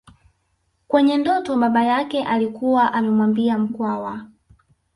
Kwenye ndoto baba yake alikuwa amemwambia Mkwawa